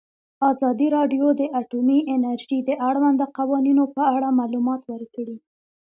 ازادي راډیو د اټومي انرژي د اړونده قوانینو په اړه معلومات ورکړي.